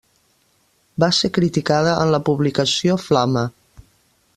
Va ser criticada en la publicació Flama.